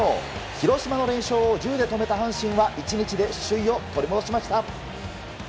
広島の連勝を１０で止めた阪神は１日で首位を取り戻しました。